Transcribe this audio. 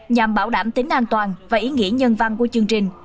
nhằm bảo đảm tính an toàn và ý nghĩa nhân văn của chương trình